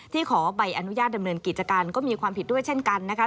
ขอใบอนุญาตดำเนินกิจการก็มีความผิดด้วยเช่นกันนะคะ